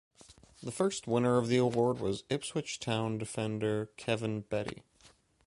The first winner of the award was Ipswich Town defender Kevin Beattie.